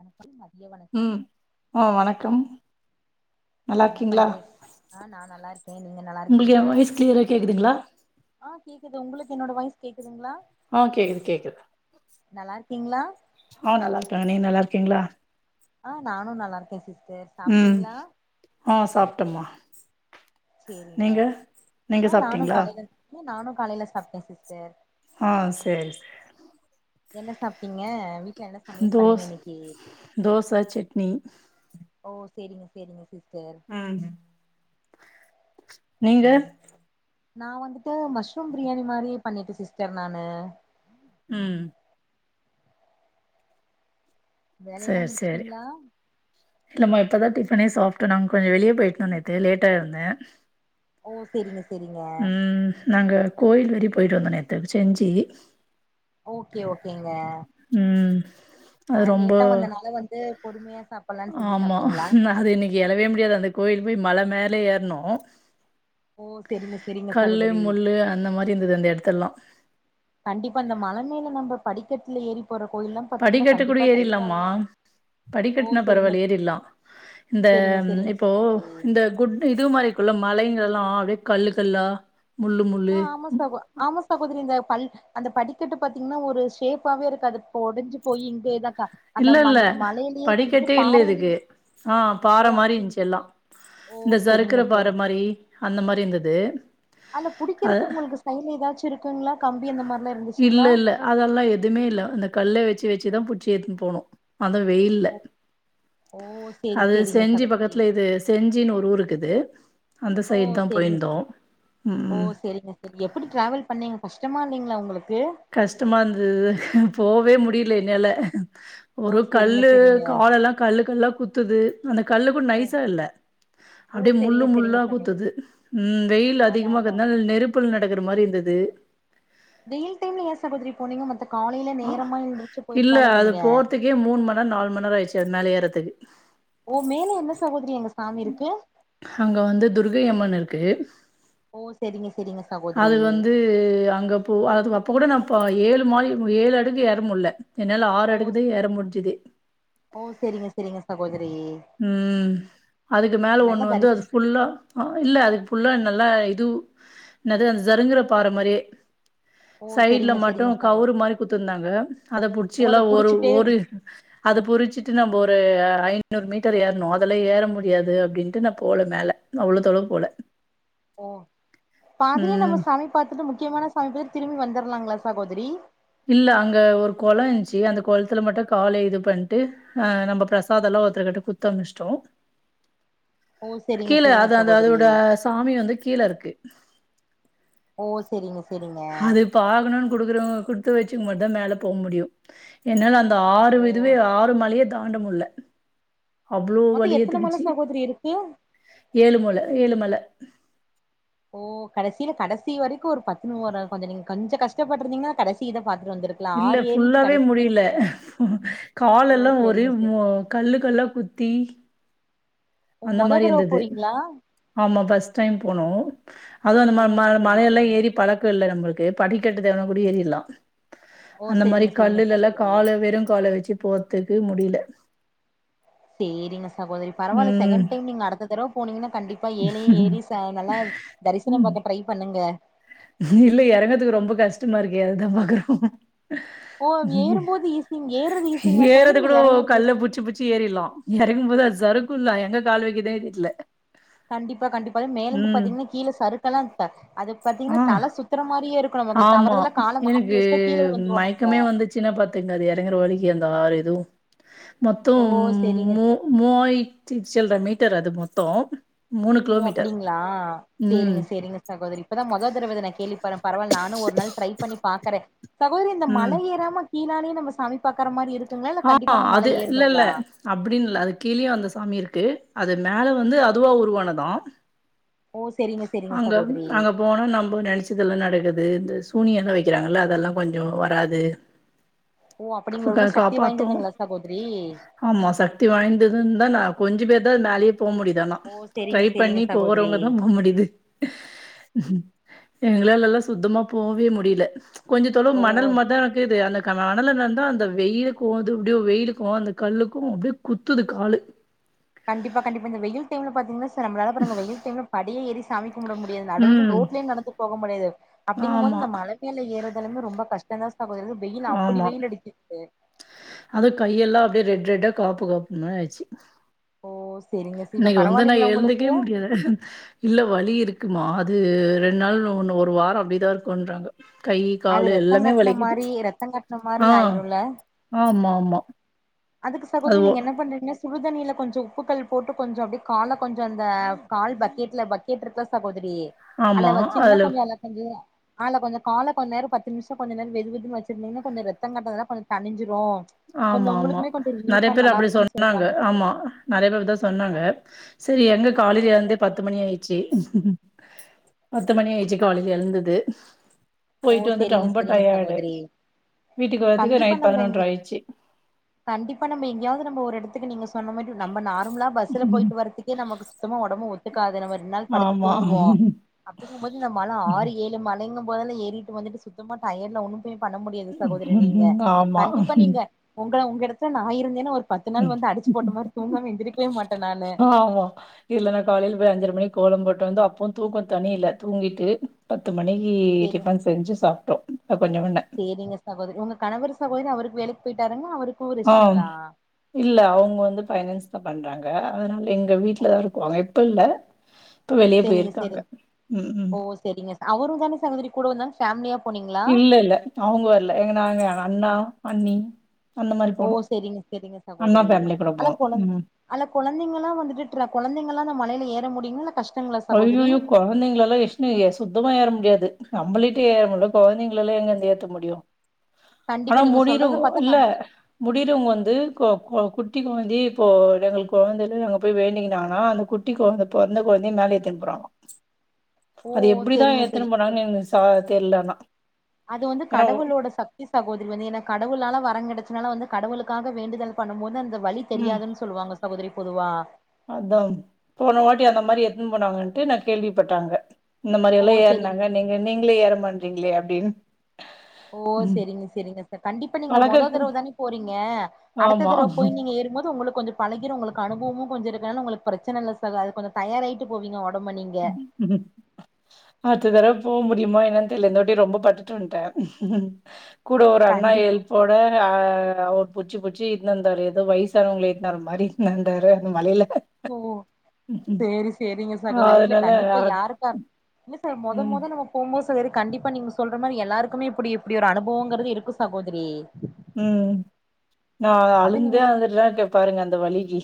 அந்த ஃபைங்க ம் அ வணக்கம் நல்லா என்ன இருக்கீங்களா பண்றே அ நா நல்லா இருக்கே நீங்க நல்லா உங்களுக்கு என் இருக்கீங்ளா வாய்ஸ் கிளியரா கேக்குதுங்களா அ கேக்குது உங்ளுக்கு என்னோட வாய்ஸ் கேக்குதுங்ளா அ கேக்குது கேக்குது நல்லா இருக்கீங்களா அ நல்லா இருக்காங்க நீ நல்லா இருக்கீங்ளா அ நானு நல்லா இருக்கே சிஸ்டர் சாப்ட்டீங்ளா அ சாப்ட்டம்மா சேரிங்க நீங்க நீங்க அ நானு சாப்ட்டீங்களா காலையிலா நானு காலையில சாப்ட்டே சிஸ்டர் அ செரி செரி என்ன சாப்ட்டீங்க வீ தோச தோச சட்னி செரிங்க செரிங்க சிஸ் ம் நீங்க நா வந்துட்டு மஷ்ரூம் பிரியாணி மாரி பண்ணிட்டு சிஸ்டர் நானு ம் வேலையெல்லா சேரி சேரி முடிச்சிட்டீங்ளா இல்லம்மா இப்பதா டிஃப்னே சாப்பிட்டோ நாங்க கொஞ்சோ வெளியே போயிட்டோ நேத்து லேட்டா எழுந்த ஓ செரிங்க செரிங்க நாங்க கோயில் வர போயிட்டு வந்தோ நேத்துக்கு செஞ்சு ஓகே ஓகேங்க ம் அது ஆனா லேட்டா ரொம்ப வந்தனால வந்து பொறுமையா சாப்படலான்னு செஞ்சு ஆமா சாப்ட்டீங்களா அது இன்னிக்கு எழவே முடியாது அந்த கோயில் போய் மல மேல ஏறனு ஓ செரிங்க செரிங்க கல்லு சகோதரி முள்ளு அந்த மாரி இருந்தது அந்த எடத்தல்லா கண்டிப்பா அந்த மல மேல நம்ப படிக்கட்ல ஏரி படிக்கட்டு கூட ஏறிலமா ஓ படிக்கட்ன செரிங்க பரவாயில ஏறிலா இந்த செரிங்க செரிங்க இப்போ சகோதரி இந்த குட் இது மாரிக்குள்ள மலை அதுல்லா அப்டியே கல்லு கல்லா முள்ளு முள்ளு அ ஆமா சகோ ஆமா சகோதரி இந்த பல் அந்த படிக்கட்டு பாத்தீங்கன்னா ஒரு ஷேப்பாவே இருக்காது அது ஒடஞ்சு போய் இங்கேதா இல்ல இல்ல படிக்கட்டே இல்ல பாறையில இதுக்கு அ பாற ஓ மாரி இருந்துச்சு எல்லா அப்டிங்களா ஓ இந்த செரிங்க சறுக்கிற பாறை செரிங்க மாரி அந்த மாரி இருந்துது அந்த புடிக்கிறதுக்கு உங்ளுக்கு சைட்ல எதாச்சு இருக்குங்ளா கம்பி அந்த மாரி இல்ல இல்ல அதெல்லா எதுவுமே இல்ல அந்த கல்ல வெச்சு வெச்சுதா புடிச்சி ஏத்துன்னு போனு அது வெயில்ல ஓ ஓ செரி அது செரிங்க செஞ்சி சகோதரி பக்கத்துல இது செஞ்சின்னு ஒரு ஊரு இக்குது அந்த ஓ சைட் தா செரிங்க போயிருந்தோ ஓ செரிங்க செரி எப்டி டிராவல் பண்ணீங்க கஷ்டமா இல்லிங்ளா உங்ளுக் கஷ்டமா இந்தது போவே முடில என்னால ஓ ஒரு செரிங்க கல்லு செரிங்க காலெல்லா கல்லு கல்லா குத்துது அந்த கல்லுக்குட ஓ நைசா இல்ல ஓ அப்டியே முள்ளு செரிங்க செரிங்க முள்ளா சகோதரி குத்துது ம் வெயில் அதிக அதா அதா இக்குறதால நெருப்புல நடக்கிற மாரி இருந்துது வெயில் டைம்ல ஏ சகோதரி போனிங்க மத்த காலையில அ நேரமா எந்திரிச்சு இல்ல போயிருக்கலால அது நீங்க போறதுக்கே மூணு மண்நேர நாலு மண்நேர ஆயிடுச்சு அது மேலே ஏறதுக்கு ஓ மேல என்ன சகோதரி அங்க சாமி இருக்கு அங்க வந்து துர்கையம்மன் இருக்கு ஓ செரிங்க செரிங்க சகோதரி அது வந்து அங்க போ அது அப்ப கூட நா ப்பா ஏழு மாலி ஏழு அடுக்கு ஏற முடில என்னால ஆறு ஓ அடுக்குதா ஏற முடிஞ்சுது ஓ செரிங்க செரிங்க சகோதரி ம் அதுக்கு மேல நல்லா ஒண்ணு வந்து அது தரிசி புல்லா இல்ல அதுக்கு புல்லா நல்லா ஆ இதுவு என்னது அந்த ஜருங்குற பாற மாரியே ஓ சைட்ல செரிங்க மட்டு செரிங்க கவுரு சகோதரி மாரி குத்துருந்தாங்க அத ஓ புடிச்செல்லா அத ஒரு புடிச்சிட்டே ஒரு அது புடு டுச்சுட்டு நம்ம ஒரு ஐந் என்னுரு மீட்டர் ஏறணு அதலா ஏற முடியாது அப்டின்ட்டு நா போல மேல அவ்ளோ தொளவு போல ஓ பாதிலயே ம். நம்ம சாமி பாத்துட்டு முக்கியமான சாமி பாத்துட்டு திரும்பி வந்தர்னு ன்லாங்களா சகோதரி இல்ல அங்க ஒரு கொலோ இருந்துச்சு அந்த கொளத்துல மட்டு கால இது பண்ட்டு ஆ நம்ம ப்ரசாதல்லா ஒருத்தர் கிட்ட குத்து அமுச்ட்டோ ஓ செரிங்க கீழ செரிங்க அது அது அதோட சகோதரி சாமி வந்து கீழருக்கு ஓ செரிங்க செரிங்க அது பாக்கணுன்னு குடுக்குறவுங்க குடுத்து வச்சுக்கும்போது தா மேல போ முடியும் என்னால அந்த அந்த ஆறு ஓ விதுவே ஆறு மலையே தாண்டமுல்ல அவ்ளோ மொத்தோ எத்தன மல வழியேத்துக்குச்சு சகோதரி இருக்கு ஏழு மழ ஏழு மல ஓ கடைசியில கடைசி வரைக்கும் ஒரு பதுனோறாவா கொஞ்ச நீங்க கொஞ்ச கஷ்டப்பட்ருந்தீங்கன்னா கடைசிதா பாத் இல்ல ஃபுல்லாவே முடியல ஓ காலெல்லா ஒரே செரிங்க செரி மு கல்லு கல்லா குத் தீ ஓ அந்த மொத மாரி தடவ இருந்துது போறீங்களா ஆமா பஸ்ட் டைம் போனோ அதுவு அந்த ம ஓ மழ செரி மழையெல்லா செரிங்க ஏறி பழக்கோ இல்ல நம்மளுக்கு படிக்கட்டு தேவனா கூடி ஏறிர்லா ஓ அந்த மாரி செரிங்க செரிங்க கல்லுலெல்லா சகோதரி கால வெறு கால வச்சு போறதுக்கு முடியல சேரிங்க சகோதரி பரவால்ல ம் செகண்ட் டைம் நீங்க அடுத்த தடவ போனீங்கன்னா கண்டிப்பா ஏழயு ஏறி ச நல்லா தரிசனம் ம் பாக்க ட்ரை பண்ணுங்க இல்ல எறங்கறதுக்கு ரொம்ப கஷ்டமா இருக்கு அததா பாக்குறோம் ஓ ஏறும்போது ஈசி ஏறது கூட கல்ல புட்ச்சு புட்ச்சு ஏறிர்லா எறங்கும் போது அது ஜறுக்குல்லா எங்க கால் வக்கி தேடிக்ல கண்டிப்பா கண்டிப்பா மேலருந்து பாத்தீங்கன்னா கீழ சறுக்கெல்லா அந்த அது பாத்தீங்கன்னா ஆ தல சுத்துற மாரியே இருக்கு நமக்கு ஆமா தவறுதலா கால மாத்தி எனக்கு வச்சுட்டா கீழ விழுந்துருவோ நம்ப மயக்கமே வந்துச்சுன்னா பாத்துக்ங்க அது எறங்குற வழிக்கி அந்த ஆறு இதுவும் ஓ மொத்தம் செரிங்க மூ மூவாயித்தி செல்ற மீட்டர் அது மொத்தோ மூணு ஓ கிலோமீட்டர் அப்டிங்களா சேரிங்க ம் சேரிங்க சகோதரி இப்பதா மொத தடவ இத நா கேள்விப்பட்றே பரவால நானு ஒரு நாள் ட்ரை பண்ணி பாக்குறே சகோதரி இந்த ம் மலை ஏறாம கீழாலே நம்ப சாமி பா்க்கற மாரி இருக் ஆ அது இல்லல்ல அப்டின் இல்ல அது கீழயு அந்த சாமி இருக்கு அது மேல வந்து அதுவா உருவானதா ஓ செரிங்க செரிங்க அங்க சகோதரி அங்க போனா நம்ப நெனச்சதெல்லா நடக்குது இந்த சு துணியெல்லா வைக்கிறாங்கல்ல அதெல்லா கொஞ்சோ வராது ஓ அப்டிங்களா க்கா ரொம்ப சக்தி காப்பாத்து வாய்ந்ததுங்களா சகோதரி ஆமா சக்தி வாய்ந்ததுன்னு தா நா கொஞ்ச பேர்தா அது மேலயே போ முடியுது ஆனா ஓ ட்ரை செரிங்க பண்ணி செரிங்க சகோதரி போறவுங்க தா ஃபோன் ஒடையுது எங்களால்லா சுத்தமா போவே முடியல கொஞ்ச தொளவு ஓ மணல் மதோ ஆக்குது அத மணல்ல நடந்தா அந்த வெயிலுக்கு அது அப்டியோ வெயிலுக்கு அந்த கல்லுக்கு அப்டியே குத்துது காலு கண்டிப்பா கண்டிப்பா இந்த வெயில் டைம்ல பாத்தீங்கன்னா செல நம்மளால பாருங்க வெயில் டைம்ல படியே எரி சாமிக் கும்ட முடியாது நடு ரோட்ல ம் ரோட்லயே நடந்து போக முடியாது அப்டிங்கும் போது ஆமா அந்த மல மேல ஏறது இதுலருந்து ரொம்ப கஷ்டோந்தா ஆமா அதுவு கையெல்லா அப்டியே ரெட் ரெட்டா காப்பு காப்புனே ஆயிச்சு ஓ சரிங்க சார். இப்ப இன்னைக்கு வந்து நா பரவாயில்லைங்களா உங்களுக்கு எழுந்துருக்கவே முடியாது இல்ல வலி இருக்குமா அது அது ரெண்டு நாள் ஒன்னு ஒரு வாரோ அப்டிதா இருக்குன்றாங்க கையி அது காலு ரத்தம் எல்லாமே கட்ன வலிக்குது மாரி ரத்தம் கட்ன மாரி ஆ ஆயிரும்ல ஆமாம்மா அதுக்கு சகோதரி நீங்க என்ன பண்றீங்கன்னா சுடுதண்ணியில கொஞ்சோ உப்புக்கல் போட்டு கொஞ்சோ அப்டியே கால கொஞ்ச அந்த கால் பக்கெட்ல பக்கெட் இருக்குல சகோத செரி ஆமா அல்ல வச்சீங்னா அதுல கொஞ்ச அல்ல கொஞ்ச அல்ல கொஞ்ச கால கொஞ் நேர பத்து நிம்ஷ கொஞ்ச நேர வெது வெதுன்னு வச்சிருந்தீங்னா கொஞ்ச ரெத்தங் கட்றதுலா கொஞ்ச தனிஞ்சிரு கொஞ்சோ ஆமாம்மா உங்களுக்குமே கொஞ்சோ நெறைய ரிலீஃபா பேர் நல்லா அப்டி இருக்குன்னு சொன்னாங்க சொல்றாங்க ஆமா சகோதரி நெறைய பேர் அப்டிதா சொன்னாங்க செரி எங்க அப்டி காலைலே வேணா வந்து ட்ரை எ பத்து பண்ணுங்க மணி ஆயிர்ச்சு சகோதரி பத்து மணி ஆயிர்ச்சு காலைல எழுந்தது ஓ போயிட்டு வந்துட் செரிங்க ரொம்ப செரிங்க டயர்டு சகோதரி வீட்டுக்கு வரத்துக்கு கண்டிப்பா நைட் நம்ம பதுனொன்ற இங்க ஆயிர்ச்சு கண்டிப்பா நம்ம எங்கயாவ்து நம்ப ஒரு எடத்துக்கு நீங்க சொ சொன்ன மாரியு நம்ப நார்மலா பஸ்ல போயிட்டு வரத்துக்கே நமக்கு சுத்தமா ஒடம்பு ஒத்துக்காது நம்ம இரு ரெண்ட் நாள் படுத்து ஆமா தூங்குவோ அப்டிங்கும்போது இந்த மழ ஆறு ஏழு மழைங்கு போதெல்லா ஏழு வீட்டுக்கு வந்துட்டு சுத்தமா டயர்ட்ல ஒன்னுமே பண்ண முடியாது சகோதரி நீங்க ஆமா கண்டிப்பா நீங்க ஒங் க ஒங்க எடத்துல நா இருந்தேனா ஒரு அடிச்சு போட்ட மாரி தூங்காம எந்திரிக்கவே மாட்டே நானு ஆ ஆமா இல்லனா காலைல போய் அஞ்சர மணிக் கோலம் போட் டு வந்து அப்பவு தூக்க தனியில்ல தூங்கிட்டு பத்து மணிக்கு சேரி டிஃபன் செஞ்சு சாப்ட்டோ அ பண்ண பண்ண சேரிங்க சகோதரி உங்க கணவர் சகோதரி அவருக்கு வேலைக்கு போயிட்டாருங்க அவருக் ஆ இல்ல அவ்ங்க வந்து ஃபைனான்ஸ் தா பண்றாங்க அதனால எங்க வீட்லதா இருக்குவாங்க இப்ப இல்ல இப்ப வெளிய சேரிங்க போயிருக்காங்க சேரிங் ம் ம் ஓ சேரிங்க அவரு தானே சகோதரி கூட வந்தாலு ஃபேம்லியா இல்ல இல்ல அவ்ங்க வர்ல எங்க நாங்க அண்ணா அண்ணி அந்த மாரி ஓ போனோ. செரிங்க செரிங்க அண்ணா சகோதரி ஃபேமிலி கூட ஆனா போனோ. கொழந்த ம். அல்ல கொழந்தைங்களா வந்துட்டு ட்ர கொழந்தைங்களா அந்த மலைல ஏற முடியும்மா இல்ல கஷ்ட ஐயோயோ கொழந்தைங்களலா வெச்சுனு எ சுத்தமா ஏற முடியாது நம்பளே ஏற முட்ல கொழந்தைங்களலா எங்கருந்து ஏத்த முடியு ஆனா கண்டிப்பா நீங்க முடியிறவ் சொல்றத பாத்தா நா இல்ல முடியிறவ்ங்க வந்து கொ கொ கூட் குட்டி கொழந்தயு இப்போ எங்க கொழந்தைலே அங்க போய் வேண்டிங்கிறாங்க அந்த குட்டி கொழந்த பெறந்த கொழந்த மேலே ட்த்துன் போறாங்களா ஓ அது எப்டிதா செரிங்க எட்த்துன்னு செரிங்க ச போனாங்கன் எனக்கு சா தெர்லனா அது வந்து கடவுளோட சக்தி சகோதரி வந்து ஏனா கடவுளால வரங்கெடச்சு இத்தநாளா வந்து கடவுளுக்காக வேண்டுதல் பண்ணும் போது அந்த வழி தெரியாதுன் சொல்லுவாங்க சகோதரி பொதுவா அதான் போன வாட்டி அந்த மாரி எட்த்துன் போனாங்கன்ட்டு நா கேள்விப்பட்டே அங்க இந்த ஓ மாரியெல்லா செரிங்க ஏற்னாங்க செரி நீங்க நீங்ளே ஏற மாட்றீங்ளே அப்டின் ஓ செரிங்க செரிங்க சார் கண்டிப்பா நீங்க மொத பழக்கக்கு தரவ தானே போறீங்க அடுத்த ஆமா தரவ போய் நீங்க ஏ றும் போது உங்களுக்கு கொஞ்ச பழகிரு உங்களுக்கு அனுபவமு கொஞ்ச இருக்கனால உங்களுக்கு பிரச்சன இல்ல சகோ அதுக்கு கொஞ்ச தயாராயிட்டு போவீங்க ஒடம்ப நீங்க ம் ம் அட்த்து வரவ் போ முடியுமா என்னென் தெர்ல இருந்தவாட்டி ரொம்ப பட்டுட்டு வந்ட்டே கூட ஒரு அண்ணா கண்டிப்பா எல்ப்போட ஆ அவர் புட்ச்சு புட்ச்சு இட்னு வந்தாரு எதோ வய்சானவ்ங்கள இட்த்துனு வர மாரி வந்தாரு அந்த மலையில ஓ சேரி சேரிங்க சக் கோதரி இல்ல அதனால கண்டிப்பா அ யாருக்கா இரு இல்ல சகோ மொத ம் மொத நம்ம போம்போ கு சகோதரி கண்டிப்பா நீங்க சொல்ற மாரி எல்லாருக்குமே இப்டி இப்டி ஒரு அனுபவங்கிறது இருக்கு சகோதரி ம் நா அது நீங்க அழுந்தே அழுந்துட்டுதா இருக்கே பாருங்க அந்த வலிக்கு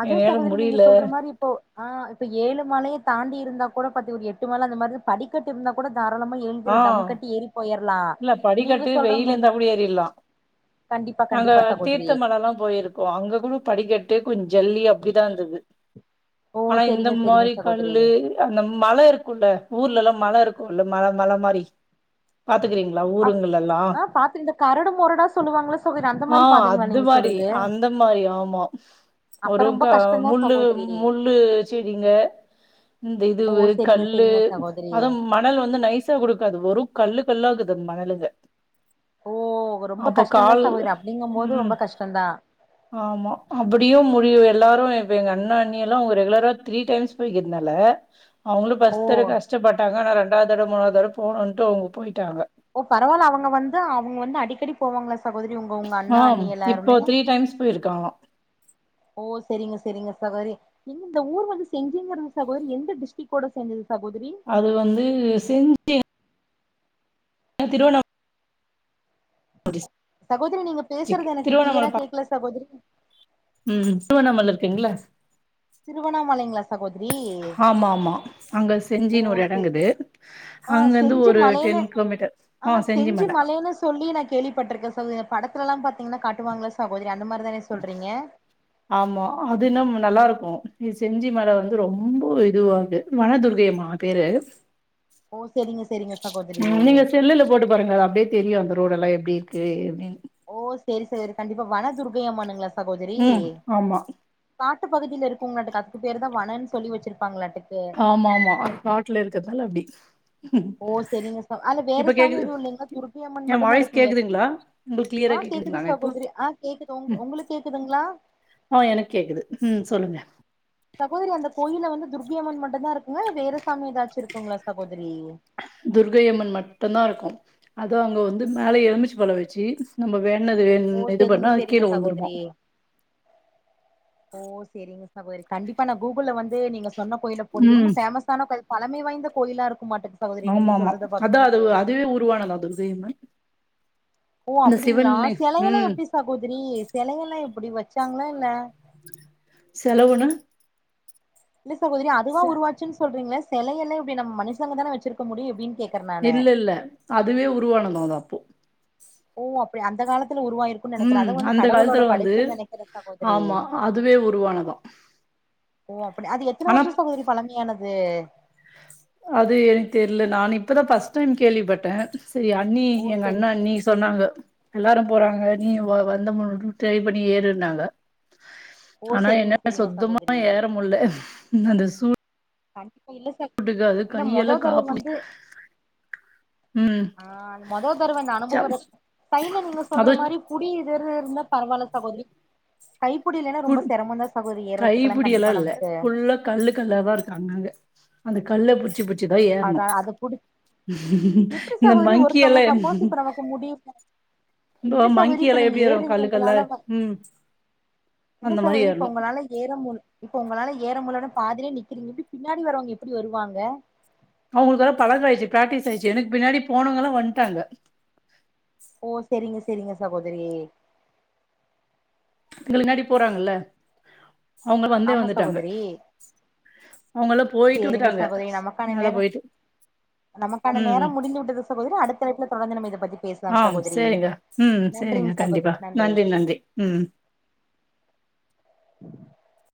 அதுவு என்னால சகோதரி நீங்க முடியல சொல்ற மாரி இப்போ ஆ இப்ப ஏழு மலைய தாண்டி இருந்தா கூட பத்து ஒரு எட்டு மல அந்த மாரிதா படிக்கட்டு இருந்தா கூட தாராளமா எழுந்து ஆ இதுல தம் கட்டி ஏறி போயற் இல்ல படிக்கட்டு வெளில இருந்தா கூட ஏறிர்லா கண்டிப்பா நாங்க கண்டிப்பா சகோதரி தீர்த்தமலலா போயிருக்கோ அங்க கூட படிக்கட் ஜல்லி அப்டிதா இருந்தது ஓ ஆனா இந்த செரிங்க செரிங்க மாரி சகோதரி கல்லு அந்த மல இருக்குல ஊர்லலா மல இருக்கு அந்த மல மல மாரி பாத்துக்றீங்ளா அ ஊருங்களெல்லா ஆ பாத்து இந்த கரடு மொரடா சொல்லுவாங்கள சகோதரி அந்த ஆ மாரி பாதைங்களா அது நீங்க மாரி ரி சொல்றது அந்த மாரி ஆமா அப்ப ஒரு ரொம்ப கா கஷ்டந்தா முள்ளு சகோதரி முள்ளு செடிங்க இந்த ஓ இதுவு செரிங்க கல்லு செரிங்க சகோதரி அத மணல் வந்து நைசா குடுக்காது வெறும் கல்லுக் வெல்லாகுது மணலுங்க ஓ ரொம்ப அப்ப கஷ்டந்தா கால் சகோதரி அப்டிங்கும் போது ம் ரொம்ப கஷ்டந்தா ஆமா அப்புடியு முடிய எல்லாரு இப்ப எங்க அண்ண அண்ணியலா அவுங்க ரெகுலரா த்ரீ டைம்ஸ் போய்கிறனால அவுங்களு ஓ ஃபஸ்ட் தடவ கஷ்டபட்டாங்க ஆனா ரெண்டாத் தடவ மூணாத் தடவ போகணுன்டு அவுங்க போயிட்டாங்க ஓ பரவால்ல அவுங்க வந்து அவுங்க வந்து அடிக்கடி போவாங்களா சகோதரி உங்க உங்க அண்ணா அண்ணி எல்லாருமே கா ஓ செரிங்க செரிங்க சகோதரி இந்த ஊர் வந்து செஞ்சின் போட்ருக்கு சகோதரி எந்த டிஸ்டிக்கோட சேந்தது சகோதரி அது வந்து செஞ்சி திருவண்ணா சகோதரி நீங்க டிஸ்டிக் பேசுறது எனக்கு திருவண்ணாமலை க்ளியரா ப கேக்கல சகோதரி ம் திருவண்ணாமல இருக்குங்ல திருவண்ணாமலைங்ளா சகோ ஆமா ஆமா அங்க ஓ செஞ்சின்னு ஒரு செ எடங்குது ஆ அங்கருந்து செஞ்சி ஒரு மலைன்னு டென் ஆ செஞ்சி மலேனு சொல்லி நா கேள்விபட்டிருக்கே சகோத படத்துலலா பாத்தீங்கன்னா காட்டுவாங்கல்ல சகோத ஆமா அது இன்னும் நல்லாருக்கும் இது செஞ்சி மல வந்து ரொம்ப இதுவாது வனதுர்கையம்மா பேரு ஓ செரிங்க செரிங்க சகோதரி ம் நீங்க செல்லுல போட்டுபாருங்க அது அப்டியே தெரியும் அந்த ரோடெல்லா எப் இப்டியிருக்கு அப்டின் ஓ சேரி சேரி கண்டிப்பா வன துர்கையம்மனுங்களா சகோதரி ம் ஆமா காட் டுப்பகுதியில இருக்குங்ளாட்டுகு அதுக்கு பேர்தா வனன் சொல்லி வெச்சுருக் ஆமா ஆமா காட்ல இருக்கதால அப்டி ஓ சேரிங்க சா அங்க வேற இப்ப சாமி கேக்குது எதுவு இல்லேங்ள துர்கை அம்மன் என் மட்டுந்தா வாய்ஸ் இருக்குங்ளா சகோ கேக்குதுங்களா உங்களுக்கு அ கிளியரா ஆ கேக்குது கேக்குதுங்களாங்க இப்போ சகோதரி ஆ கேக்குது உங் ம் உங்குளுக் கேக்குதுங்ளா ஆ எனக் கேகுது ம் சொல்லுங்க சகோதரி அந்த கோயில்ல வந்து துர்கையம்மன் மட் டுதா இருக்குங்ளா வேற சாமி ஏதாச்சு இருக்குங்ளா சகோதரி அதோ அங்க வந்து மேல எலுபிச்சம்பழொ வெச்சு நம்ம வேண் வேண்டுனது ஓ இது செரிங்க பண்ணா அது செரிங்க கீழ விழுந்துருமா சகோதரி ஓ செரிங்க பா போய்ரு கண்டிப்பா நா கூகுள்ல வந்து நீங்க சொன்ன கோயில போடு இது ம் ரொம்ப ஃபேமஸான கோயில் பழமை வாய்ந்த கோயிலாருக் ஆமா ஆமா அதா அது அதுவே உருவானதா அது உதயமே ஓ அப்புடிங்ளா செலவெல்லா ம் எப்டி சகோதரி செலவெல்லா எப்டி வச்சாங்ளா இல்ல செலவுனா இல்ல சகோதரி அதுவா உருவாச்சுன் சொல்றீங்ளே செலவெல்லா எப்டி நம்ம மனுஷங்கதான வெச்சுருக்க முடியு எப்டின் கேக் இல்ல இல்ல அதுவே உருவானதா அது அப்போ ஓ அப்டி அந்த காலத் துல உருவாய்ருக்குன் நெனைகறே ம் அத வந்து அந்த கடவுளோட காலத்துல வந்து படைப்புன் நெனைகறே சகோதரி ஆமா அதுவே உருவானதா ஓ அப்டி அது எத்தன ஆனா வருஷ சகோதரி பழமையானது அது எனக் தெர்ல நானு இப்பதா ஃபஸ்ட் டைம் கேள்விபட்டே செரி அண்ணி ஓ எங்க அண்ண செரி அண்ணி சொன்னாங்க எல்லாரு போறாங்க நீயு வா வந்து மூண் ட்ரை பண்ணி ஏறுன்னாங்க ஓ ஆனா செரிங்க என்ன செரிங்க சுத்தமா சகோதரி ஏறமுல்ல அந்த சூழ் கண்டிப்பா இல்ல சக் இல்ல கையெல்லா மொதோதடவ காப்பு வந்து ம் ஆ அது மொதோ தரவ இந்த அனுபவொ ச இருக் சைட்ல நீங்க சொல்ற அது மாரி புடி எதிரு இருந்தா பரவால்ல சகோதரி கைப்புடி இல்லேனா ரொம்ப புல் செரமோந்தா சகோதரி ஏறதுக்கெல்லா கைப்புடி எல்லா கண்டிப்பா இல்ல நமக்கு ஃபுல்லா கல்லு கல்லாதா அங்கங்க அந்த கல்ல புடுச்சுபுட் அதா அத புடி எப்டி இந்த சகோதரி மங்கி ஒருத்தவங்க சப்போஸ் எல்லா இப்ப நமக்கு முடி இந்த என்ன சகோதரி மங்கி இப்ப எல்லா நீங்க எப்டி ஏறும் ஏறுறீங்க கல்லு கல்லா உங்களா வ ம் என்ன அந்த மாரி சகோதரி இப்ப ஏறணும் உங்களால ஏறம் இப்ப உங்களால ஏற முடியல பாதிலே நிக்கிறீங்க எப்டி பின்னாடி வரவங்க எப்டி வருவாங்க அவுங்களுக்கெல்லா பழக்கோ ஆயிருச்சு பிராக்டிஸ் ஆயிருச்சு எனக்கு பின்னாடி போனவங்க எல்லா வந்ட்டாங்க ஓ செரிங்க செரிங்க சகோதரி எங்களுக்கு முன்னாடி போறாங்கல்ல அவுங்க வந்தே ஆமா வந்துட்டாங்க சகோதரி அவுங்கெல்லா போயிட்டு சேரிங்க வந்துட்டாங்க சகோதரி நமக்கான மேல நேர போயிட்டு நமக்கான ம் நேரம் முடிந்து விட்டது சகோதரி அடுத்த அழைப்புல தொடர்ந்து நம்ம இத பத்தி ஆ பேசலாம் சகோதரி செரிங்க ம் செரிங்க நன்றிங்க கண்டிப்பா சகோதரி நன்றி நன்றி ம் [inaudible] உம் [unintelligible]